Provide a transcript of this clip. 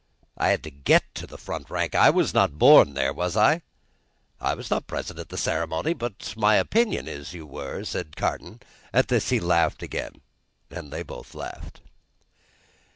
"I had to get into the front rank; I was not born there, was I?" "I was not present at the ceremony; but my opinion is you were," said Carton. At this, he laughed again, and they both laughed.